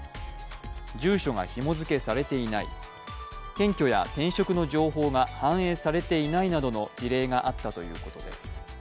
住所がひも付けされていない、転居や転職の情報が反映されていないなどの事例があったということです。